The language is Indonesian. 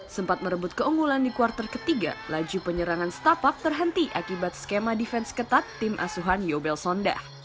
sempat merebut keunggulan di kuartal ketiga laju penyerangan setapak terhenti akibat skema defense ketat tim asuhan yobel sonda